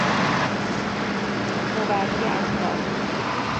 مبری اطفال